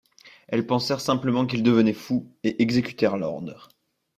Elles pensèrent simplement qu’il devenait fou, et exécutèrent l’ordre.